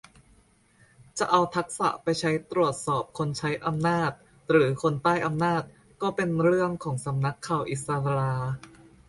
จะเอาทักษะไปใช้ตรวจสอบคนใช้อำนาจหรือคนใต้อำนาจ ก็เป็นเรื่องของสำนักข่าวอิศรา